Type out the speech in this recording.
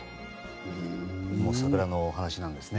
もう桜のお話なんですね。